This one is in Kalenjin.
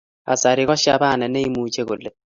Kasari ko Shabana ne imuche kolet